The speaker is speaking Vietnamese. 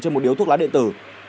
trên một điếu thuốc lá điện tử